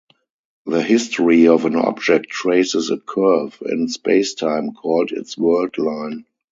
The history of an object traces a curve in spacetime, called its world line.